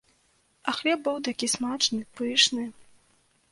А хлеб быў такі смачны, пышны!